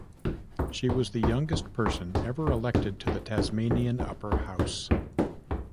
She was the youngest person ever elected to the Tasmanian upper house.